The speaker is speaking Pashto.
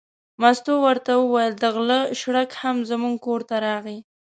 مستو ورته وویل: د غله شړک هم زموږ کور ته راغی.